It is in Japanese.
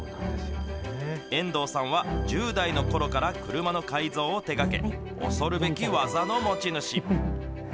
遠藤さんは、１０代のころから車の改造を手がけ、恐るべき技の持ち主。